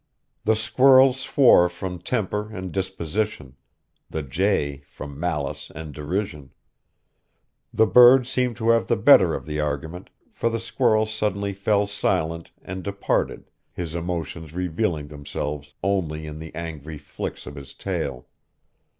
The squirrel swore from temper and disposition; the jay from malice and derision. The bird seemed to have the better of the argument, for the squirrel suddenly fell silent and departed, his emotions revealing themselves only in the angry flicks of his tail.